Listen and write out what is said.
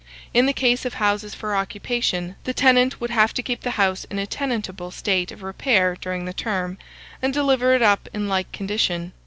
In the case of houses for occupation, the tenant would have to keep the house in a tenantable state of repair during the term, and deliver it up in like condition.